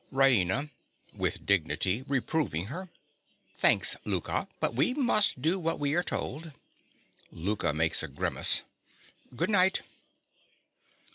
RAINA. (with dignity, reproving her). Thanks, Louka; but we must do what we are told. (Louka makes a grimace.) Good night.